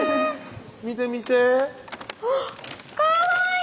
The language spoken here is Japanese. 見て見てあっかわいい！